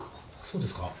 そうですか？